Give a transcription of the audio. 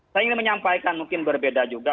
saya ingin menyampaikan mungkin berbeda juga